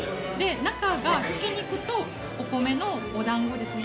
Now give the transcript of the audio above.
中がひき肉とお米のおだんごですね。